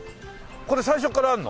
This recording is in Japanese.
これ最初からあるの？